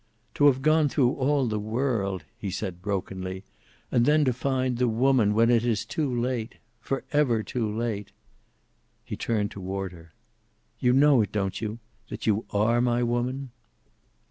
"To have gone through all the world," he said, brokenly, "and then to find the Woman, when it is too late. Forever too late." He turned toward her. "You know it, don't you? That you are my woman?"